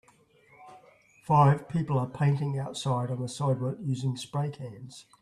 Five people are painting outside on the sidewalk using spray cans.